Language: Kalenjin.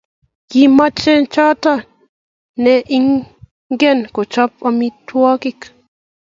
Kimache choto ne ingen kochap amitwakik